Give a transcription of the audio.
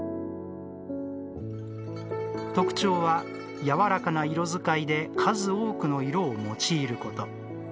特徴は、柔らかな色使いで数多くの色を用いること。